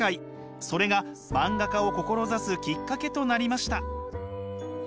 それが漫画家を志すきっかけとなりました。